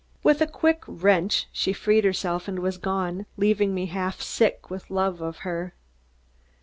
With a quick wrench she freed herself and was gone, leaving me half sick with love of her.